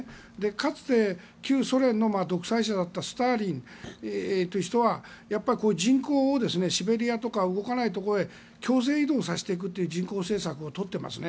かつて、旧ソ連の独裁者だったスターリンという人はやっぱり、人口をシベリアとか動かないところへ強制移動させていくという人口政策を取っていますね。